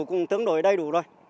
cũng tương đối đầy đủ rồi